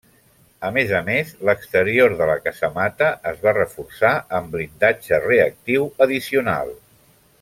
A més a més, l'exterior de la casamata es va reforçar amb blindatge reactiu addicional.